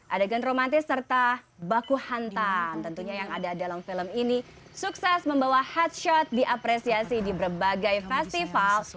adegan romantis serta baku hantam tentunya yang ada dalam film ini sukses membawa headshot diapresiasi di berbagai festival